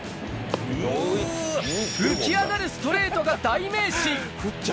浮き上がるストレートが代名詞。